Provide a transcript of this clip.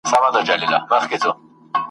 زه به ولي هر پرهار ته په سینه کي خوږېدلای `